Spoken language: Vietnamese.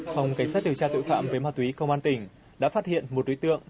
phòng cảnh sát điều tra tự phạm với ma túy công an tỉnh đã phát hiện một đối tượng